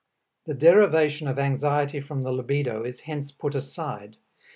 The derivation of anxiety from the libido is hence put aside.